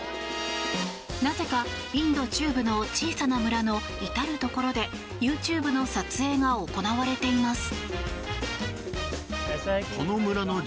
なぜか、インド中部の小さな村の至るところでＹｏｕＴｕｂｅの撮影が行われています。